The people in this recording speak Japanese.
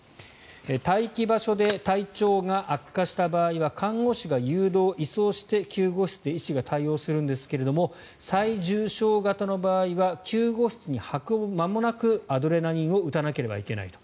待機場所で体調が悪化した場合は看護師が誘導・移送して救護室で医師が対応するんですが最重症型の場合は救護室に運ぶ間もなくアドレナリンを打たなければいけないと。